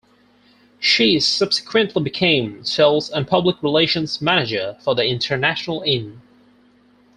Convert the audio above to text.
She subsequently became sales and public relations manager for the International Inn.